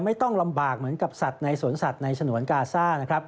ไม่ต้องลำบากเหมือนกับสัตว์ในสวนสัตว์ในฉนวนกาซ่านะครับ